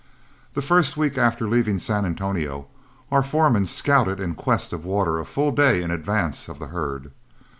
The first week after leaving San Antonio, our foreman scouted in quest of water a full day in advance of the herd.